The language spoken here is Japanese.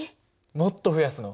もっと増やすの？